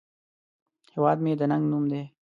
هیواد مې د ننگ نوم دی